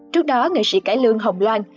trước đó nghệ sĩ cải lương hồng loan